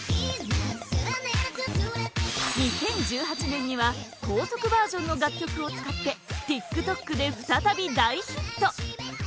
２０１８年には高速バージョンの楽曲を使ってＴｉｋＴｏｋで再び大ヒット